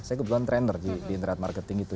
saya kebetulan trainer di internet marketing itu